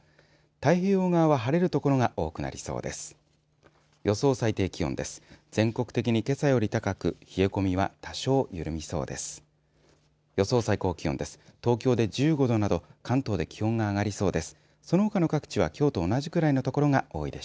太平洋側は晴れる所が多くなりそうです。